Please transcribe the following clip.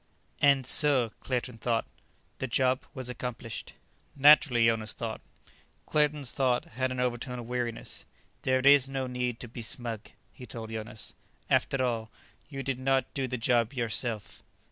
"And so," Claerten thought, "the job was accomplished." "Naturally," Jonas thought. Claerten's thought had an overtone of weariness. "There is no need to be smug," he told Jonas. "After all, you did not do the job yourself."